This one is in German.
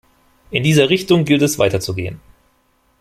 In dieser Richtung gilt es weiterzugehen.